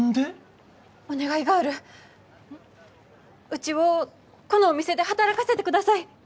うちをこのお店で働かせてください。